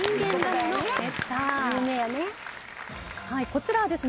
こちらはですね。